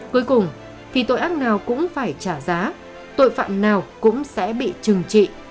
cuối cùng thì tội ác nào cũng phải trả giá tội phạm nào cũng sẽ bị trừng trị